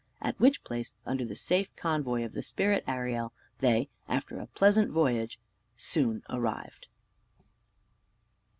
At which place, under the safe convoy of the spirit Ariel, they, after a pleasant voyage, soon arrived.